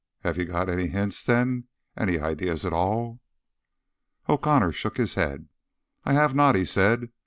"Have you got any hints, then? Any ideas at all?" O'Connor shook his head. "I have not," he said.